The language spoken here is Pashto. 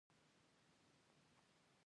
پښتانه یو غیرتي قوم دی.